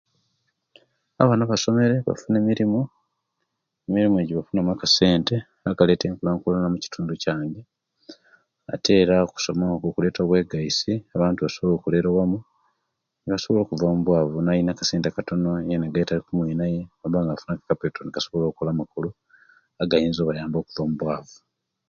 Abaana abasomere bafuna emirimu, emirimu bafunamu akassente akaleeta enkulakulana omukitundu kyange; ate era okusoma okwo kuleeta okwegaita, abantu basobola o'kolera owamu nibasobola okuba mubwaavu owa kassente akatono yena naleetaku omwinaye, nebabanga bafuna capital, basobola o'kola amakulu agayinza okubayamba okuva mubwaavu.